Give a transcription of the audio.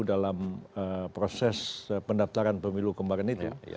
dalam proses pendaftaran pemilu kemarin itu